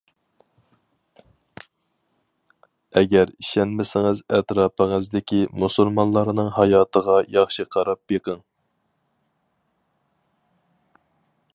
ئەگەر ئىشەنمىسىڭىز ئەتراپىڭىزدىكى مۇسۇلمانلارنىڭ ھاياتىغا ياخشى قاراپ بېقىڭ.